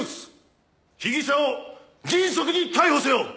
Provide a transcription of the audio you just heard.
被疑者を迅速に逮捕せよ！